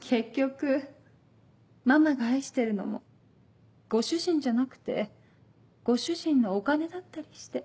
結局ママが愛してるのもご主人じゃなくてご主人のお金だったりして？